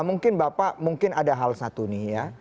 mungkin bapak mungkin ada hal satu nih ya